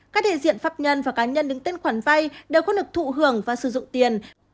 các thể diện pháp nhân và cá nhân đứng tên khoản vai đều không được thụ hưởng và sử dụng tiền